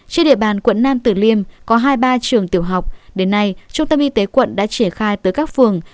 trên địa bàn quận nam tử liêm có hai mươi ba trường tiểu học đến nay trung tâm y tế quận đã triển khai tới các phường